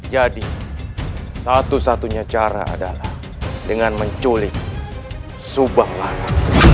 jadi satu satunya cara adalah dengan menculik subang lara